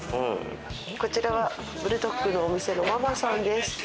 こちらはブルドックのお店のママさんです。